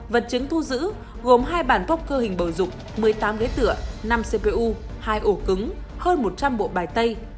vật chứng thu giữ gồm hai bản poker hình bầu dục một mươi tám ghế tửa năm cpu hai ổ cứng hơn một trăm linh bộ bài tay